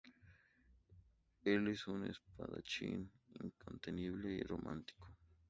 Él es un espadachín incontenible y romántico.